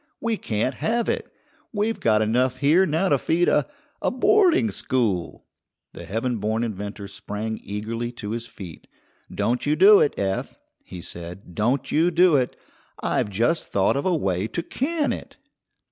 We can't have it. We've got enough here now to feed a a boarding school." The heaven born inventor sprang eagerly to his feet. "Don't you do it, Eph," he said, "don't you do it. I've just thought of a way to can it."